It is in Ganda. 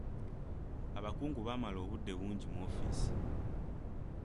Abakungu bamala obudde bungi mu woofiisi.